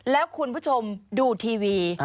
แล้วคุณผู้ชมดูทีวี